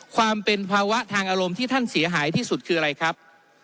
ความเป็นภาวะทางอารมณ์ที่ท่านเสียหายที่สุดคืออะไรครับ